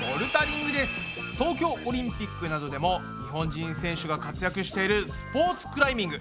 東京オリンピックなどでも日本人選手が活躍しているスポーツクライミング。